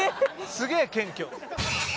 すげえ謙虚。